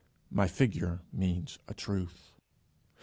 My figure means a truth.